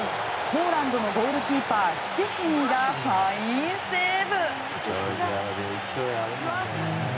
ポーランドのゴールキーパーシュチェスニーがファインセーブ。